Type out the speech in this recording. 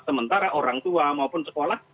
sementara orang tua maupun sekolah